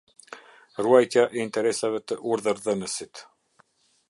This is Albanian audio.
Ruajtja e interesave të urdhërdhënësit.